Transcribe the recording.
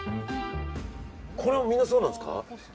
これもみんなそうなんですか？